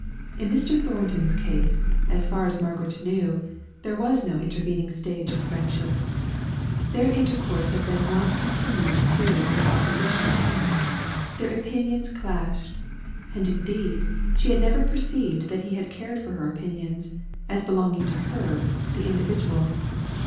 In Mr. Thornton's case, as far as Margaret knew, there was no intervening stage of friendship. Their intercourse had been one continued series of opposition. Their opinions clashed; and indeed, she had never perceived that he had cared for her opinions, as belonging to her, the individual.